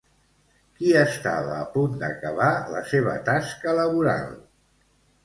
Qui estava a punt d'acabar la seva tasca laboral?